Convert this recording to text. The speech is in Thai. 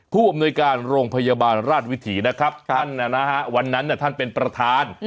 ผู้อำนวยการโรงพยาบาลราชวิถีนะครับท่านวันนั้นท่านเป็นประธาน